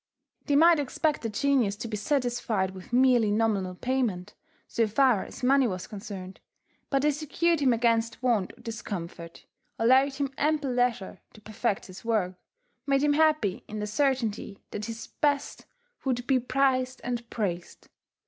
They might expect the genius to be satisfied with merely nominal payment, so far as money was concerned; but they secured him against want or discomfort, allowed him ample leisure to perfect his work, made him happy in the certainty that his best would be prized and praised.